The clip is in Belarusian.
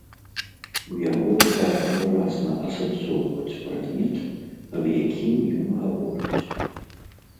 У яго дар выразна асэнсоўваць прадмет, аб якім ён гаворыць.